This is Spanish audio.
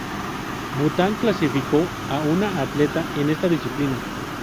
Bután clasificó a una atleta en esta disciplina.